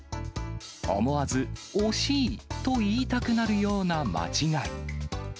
思わず惜しい！と言いたくなるような間違い。